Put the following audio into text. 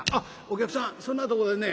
「お客さんそんなとこでね